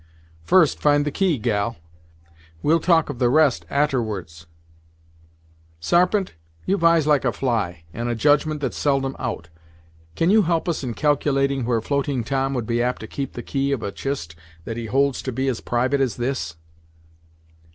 "First find the key, gal; we'll talk of the rest a'terwards. Sarpent, you've eyes like a fly, and a judgment that's seldom out. Can you help us in calculating where Floating Tom would be apt to keep the key of a chist that he holds to be as private as this?"